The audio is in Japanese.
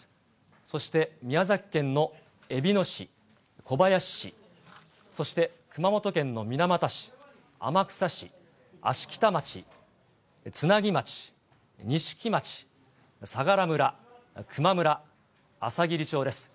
そして宮崎県のえびの市、小林市、そして熊本県の水俣市、天草市、芦北町、津奈木町、錦町、相良村、球磨村、あさぎり町です。